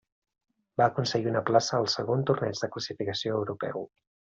Va aconseguir una plaça al segon torneig de classificació europeu.